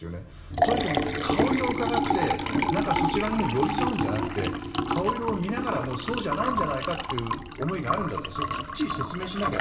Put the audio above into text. とにかく顔色をうかがってそちらのほうに寄り添うんじゃなくて顔色を見ながらそうじゃないんじゃないかという思いがあるんだとしたらそれをきっちり説明しなきゃ。